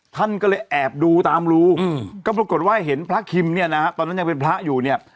ท่านก็เลยแอบดูตามรูก็ปรากฏว่าเห็นพระคิมเนี่ยนะฮะตอนนั้นยังเป็นพระอยู่เนี่ย